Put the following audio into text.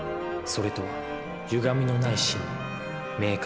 「それ」とはゆがみのない真理。